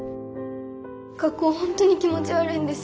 学校ほんとに気持ち悪いんです。